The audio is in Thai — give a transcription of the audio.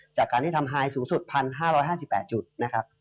จากการที่ทำไฮสูงสุด๑๕๕๘จุดนะครับ